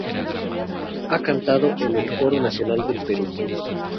Ha cantado en el Coro Nacional del Perú.